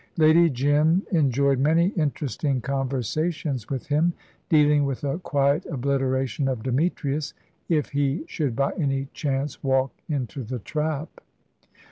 Lady Jim enjoyed many interesting conversations with him, dealing with a quiet obliteration of Demetrius, if he should by any chance walk into the trap.